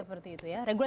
seperti itu ya